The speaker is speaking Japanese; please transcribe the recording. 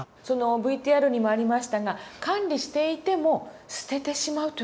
ＶＴＲにもありましたが管理していても捨ててしまうというような事もあるんですか。